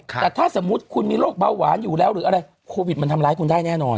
แต่ถ้าสมมุติคุณมีโรคเบาหวานอยู่แล้วหรืออะไรโควิดมันทำร้ายคุณได้แน่นอน